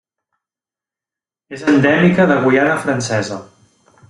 És endèmica de Guyana Francesa.